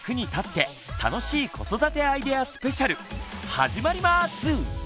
始まります！